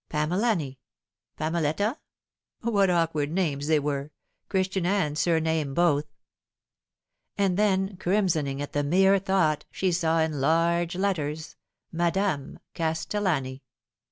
Pamelani Pameletta ? What awkward names they were Christian and surname both ! And then, crimsoning at the mere thought, she saw in large letters, " MADAME CASTELLANI."